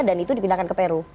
dan itu dipindahkan ke peru